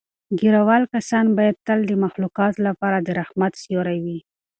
ږیره وال کسان باید تل د مخلوقاتو لپاره د رحمت سیوری وي.